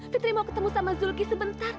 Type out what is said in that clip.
fitri mau ketemu sama zulki sebentar